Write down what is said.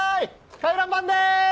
回覧板でーす！